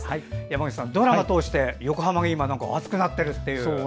山口さん、ドラマを通して横浜は今、熱くなっているという。